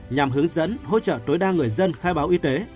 nhằm hướng dẫn hỗ trợ tối đa người dân khai báo y tế